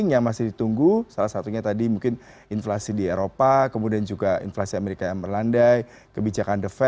ya selamat pagi pak yudha